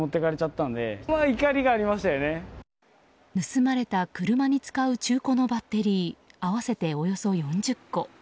盗まれた車に使う中古のバッテリー合わせて、およそ４０個。